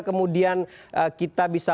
kemudian kita bisa